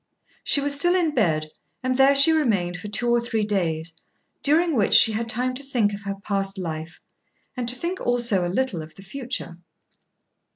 She was still in bed, and there she remained for two or three days, during which she had time to think of her past life, and to think also a little of the future.